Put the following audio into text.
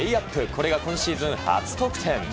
これが今シーズン初得点。